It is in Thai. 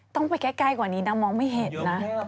ต้องไปใกล้กว่านี้นะมองไม่เห็นนะ